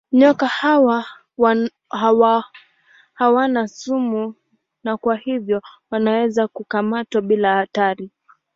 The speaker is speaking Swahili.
Nyoka hawa hawana sumu na kwa hivyo wanaweza kukamatwa bila hatari.